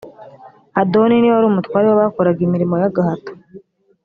adoni ni we wari umutware w’ abakoraga imirimo y’ agahato